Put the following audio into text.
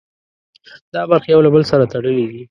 دا برخې یو له بل سره تړلي دي.